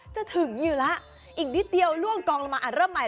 เจอทึงอยู่ละอีกนิดเดียวล่วงกลองละมาย